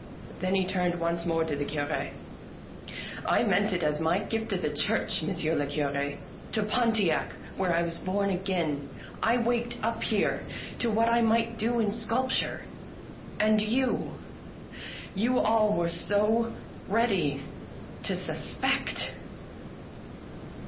Then he turned once more to the Cure. " I meant it is my gift to the Church, monsieur le Cure — to Pon tiac, where I was born again. I waked up here to 148 THE LANE THAT HAD NO TURNING what I might do in sculpture, and you — you all were so ready to suspect